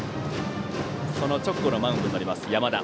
その直後のマウンドになる山田。